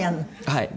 はい。